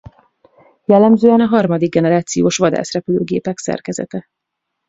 Jellemzően a harmadik generációs vadászrepülőgépek szerkezete.